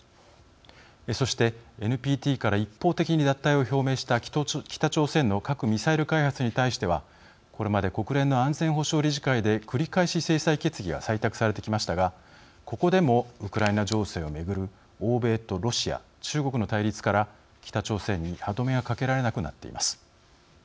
そして、ＮＰＴから一方的に脱退を表明した北朝鮮の核・ミサイル開発に対してはこれまで国連の安全保障理事会で繰り返し制裁決議が採択されてきましたがここでも、ウクライナ情勢を巡る欧米とロシア、中国の対立から北朝鮮に歯止めがかけられなくなっています。